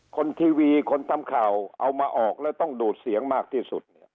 ทีวีคนทำข่าวเอามาออกแล้วต้องดูดเสียงมากที่สุดเนี่ย